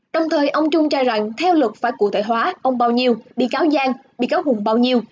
đồng thời ông trung cho rằng theo luật phải cụ thể hóa ông bao nhiêu bị cáo giang bị cáo hùng bao nhiêu